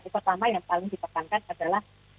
pertama yang paling ditekankan adalah